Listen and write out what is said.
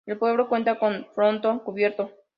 El pueblo cuenta con frontón cubierto.